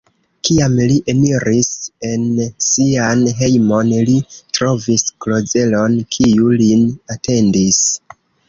Kiam li eniris en sian hejmon, li trovis Klozelon, kiu lin atendis.